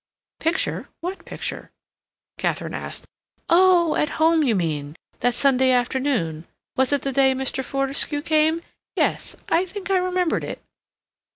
"Picture—what picture?" Katharine asked. "Oh, at home, you mean—that Sunday afternoon. Was it the day Mr. Fortescue came? Yes, I think I remembered it."